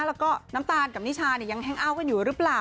แล้วก็น้ำตาลกับนิชายังแห้งเอ้ากันอยู่หรือเปล่า